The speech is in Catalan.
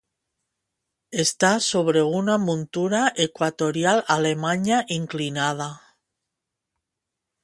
Està sobre una muntura equatorial alemanya inclinada.